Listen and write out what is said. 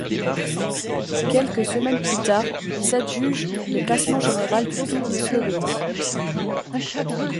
Quelques semaines plus tard il s'adjuge le classement général du Tour de Slovénie.